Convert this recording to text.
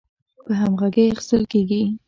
په همغږۍ اخیستل کیږي